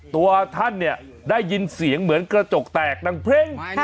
ตัวท่านเนี่ยได้ยินเสียงเหมือนกระจกแตกดังเพลง